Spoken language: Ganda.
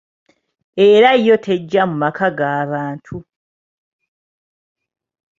Era yo tejja mu maka g’abantu.